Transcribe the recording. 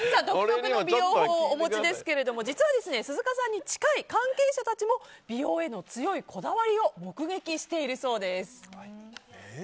独特の美容法をお持ちですけど実は、鈴鹿さんに近い関係者たちも美容への強いこだわりを目撃しているそうです。